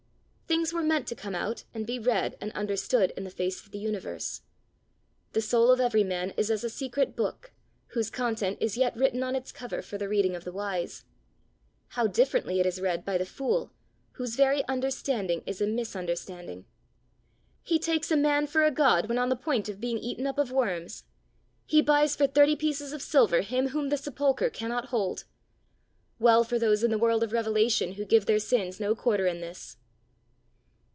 Things were meant to come out, and be read, and understood, in the face of the universe. The soul of every man is as a secret book, whose content is yet written on its cover for the reading of the wise. How differently is it read by the fool, whose very understanding is a misunderstanding! He takes a man for a God when on the point of being eaten up of worms! he buys for thirty pieces of silver him whom the sepulchre cannot hold! Well for those in the world of revelation, who give their sins no quarter in this!